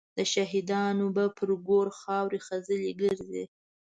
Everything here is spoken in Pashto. د شهیدانو به پر ګور خاوري خزلي ګرځي